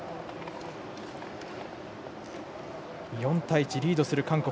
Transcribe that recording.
４対１、リードする韓国。